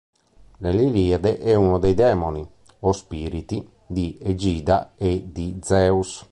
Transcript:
Nell'Iliade è uno dei demoni, o spiriti, di Egida e di Zeus.